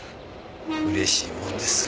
嬉しいもんです。